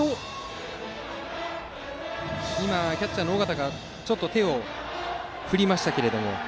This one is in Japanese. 今、キャッチャーの尾形がちょっと手を振りましたけれども。